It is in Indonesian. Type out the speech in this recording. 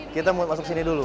kita mau masuk sini dulu